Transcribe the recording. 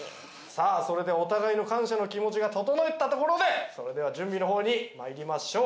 さあそれではお互いの感謝の気持ちが整ったところでそれでは準備の方にまいりましょう。